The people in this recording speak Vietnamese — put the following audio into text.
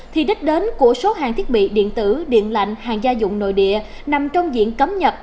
thì đích đến của số hàng thiết bị điện tử điện lạnh hàng gia dụng nội địa nằm trong diện cấm nhập